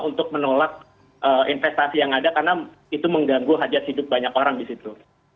untuk menolak investasi yang ada karena itu mengganggu hajat hidup banyak orang di situ